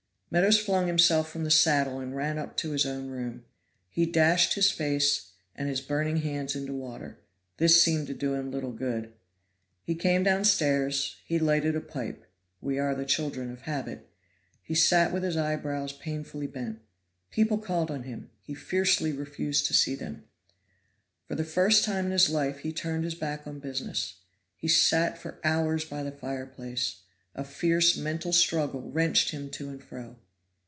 Meadows flung himself from the saddle and ran up to his own room. He dashed his face and his burning hands into water; this seemed to do him a little good. He came downstairs; he lighted a pipe (we are the children of habit); he sat with his eyebrows painfully bent. People called on him; he fiercely refused to see them. For the first time in his life he turned his back on business. He sat for hours by the fireplace. A fierce mental struggle wrenched him to and fro.